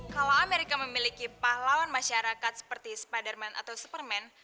kalau amerika memiliki pahlawan masyarakat seperti spiderman atau superman